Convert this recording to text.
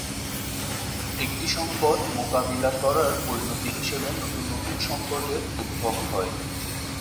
একটি সংকট মোকাবিলা করার পরিণতি হিসেবে নতুন নতুন সংকটের উদ্ভব হয়।